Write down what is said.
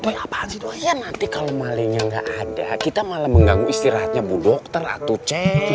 doi apaan sih doi ya nanti kalo malenya ga ada kita malah mengganggu istirahatnya bu dokter atuh ceng